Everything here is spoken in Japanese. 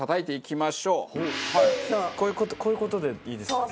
こういう事でいいですか？